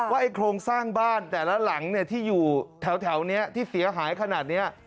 ไอ้โครงสร้างบ้านแต่ละหลังที่อยู่แถวนี้ที่เสียหายขนาดนี้